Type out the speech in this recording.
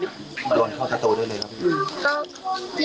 อยากให้สังคมรับรู้ด้วย